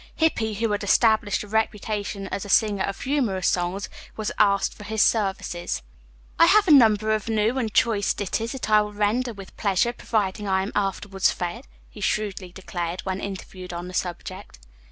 Hippy, who had established a reputation as a singer of humorous songs, was asked for his services. "I have a number of new and choice ditties that I will render with pleasure, providing I am afterwards fed," he shrewdly declared, when interviewed on the subject.